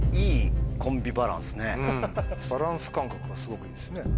バランス感覚はすごくいいですね。